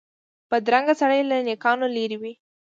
بدرنګه سړی له نېکانو لرې وي